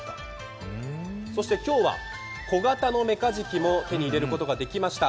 そして今日は小型のメカジキも手に入れることができました。